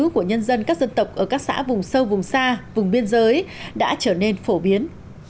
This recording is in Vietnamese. của nhân dân các dân tộc ở các xã vùng sâu vùng xa vùng biên giới đã trở nên phổ biến